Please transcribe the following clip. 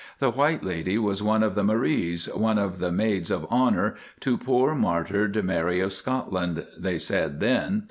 The White Lady was one of the Maries, one of the maids of honour to poor martyred Mary of Scotland, they said then.